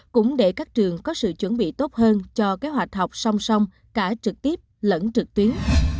cũng để các trường có sự chuẩn bị tốt hơn cho kế hoạch học song song cả trực tiếp lẫn trực tuyến